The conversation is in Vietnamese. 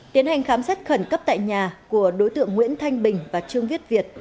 tiến hành khám xét khẩn cấp tại nhà của đối tượng nguyễn thanh bình và trương viết việt